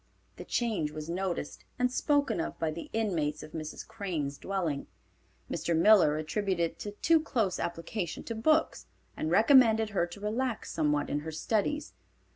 The change was noticed and spoken of by the inmates of Mrs. Crane's dwelling. Mr. Miller attributed it to a too close application to books, and recommended her to relax somewhat in her studies.